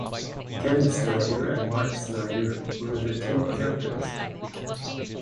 Ken Snyder and Mark Snyder were the team captains.